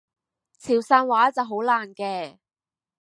潮汕話就好難嘅